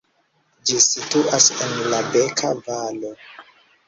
Ĝi situas en la Beka-valo.